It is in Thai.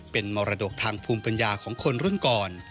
เป็นมรดกทางภูมิปัญญาของคนรุ่นก่อน